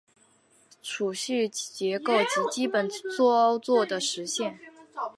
存储结构及基本操作的实现